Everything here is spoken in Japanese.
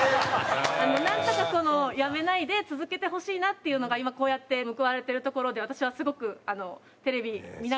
なんとかやめないで続けてほしいなっていうのが今こうやって報われてるところで私はすごくテレビ見ながら応援してます。